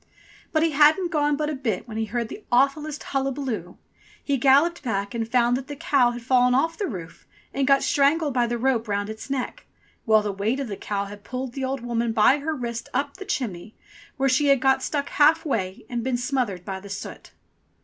But he hadn't gone but a bit when he heard the awfullest io8 ENGLISH FAIRY TALES hullabaloo. He galloped back and found that the cow had fallen off the roof and got strangled by the rope round its neck, while the weight of the cow had pulled the old woman by her wrist up the chimney, where she had got stuck half way and been smothered by the soot